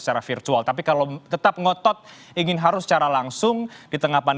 saya kira akan merugikan dan akan